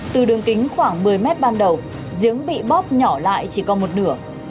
từ đường kính khoảng một mươi m ban đầu giếng bị bóp nhỏ lại chỉ có một nửa